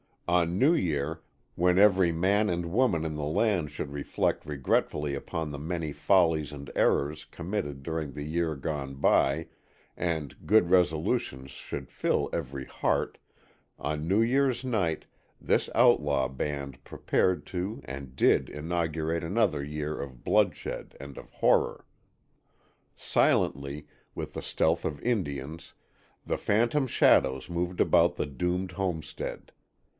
On New Year, when every man and woman in the land should reflect regretfully upon the many follies and errors committed during the year gone by and good resolutions should fill every heart, on New Year's night this outlaw band prepared to and did inaugurate another year of bloodshed and of horror. Silently, with the stealth of Indians, the phantom shadows moved about the doomed homestead.